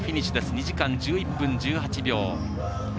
２時間１１分１８秒。